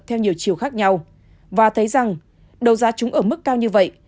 theo nhiều chiều khác nhau và thấy rằng đầu giá chúng ở mức cao như vậy